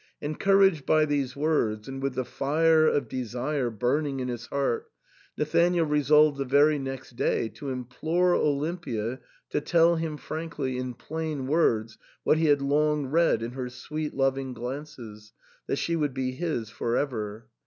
Encouraged by these words, and with the fire of desire burning in his heart, Nathanael resolved the very next day to implore Olimpia to tell him frankly, in plain words, what he had long read in her sweet loving glances, — that she would be his for ever.